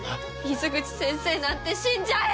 水口先生なんて死んじゃえ！